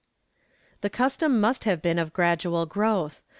^ The custom must have been of gradual growth.